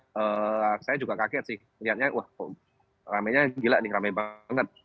dimana saya juga kaget sih lihatnya wah ramainya gila nih ramai banget